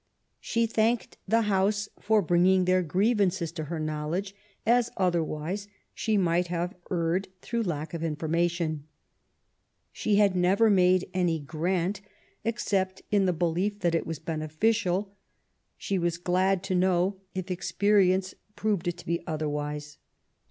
She thanked the House for bringing their grievances to her knowledge, as otherwise she might have erred through lack of information. She had never made any grant, except in the belief that it was beneficial ; she was glad to know if experience proved it to be otherwise.